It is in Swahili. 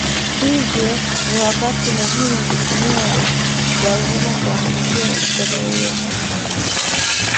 hivyo ni wakati muhimu kutumia wazawa kuandika historia hiyo muhimu kwa nchi